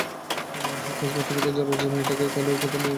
সাতপাঁচ ভাবতে ভাবতে জ্বরের মেয়েটাকে কোলের ভেতর নিয়ে ঘুমিয়েই পড়েছে সে।